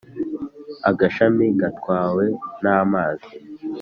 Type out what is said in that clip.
agashami gatwawe n’amazi.